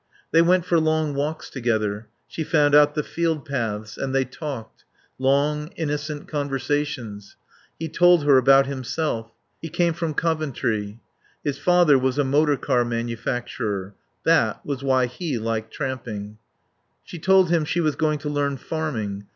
They went for long walks together. She found out the field paths. And they talked. Long, innocent conversations. He told her about himself. He came from Coventry. His father was a motor car manufacturer; that was why he liked tramping. She told him she was going to learn farming.